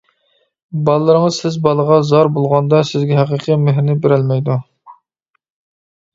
باللىرىڭىز سىز بالىغا زار بولغاندا سىزگە ھەقىقىي مېھرىنى بېرەلمەيدۇ.